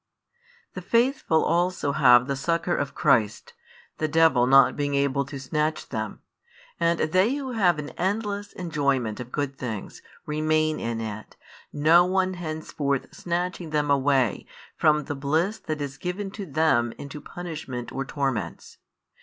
The faithful also have the succour of Christ, the devil not being able to snatch them; and they who have an endless enjoyment of good things, remain in it, no one henceforth snatching them away from the bliss that is given to them into punishment or torments.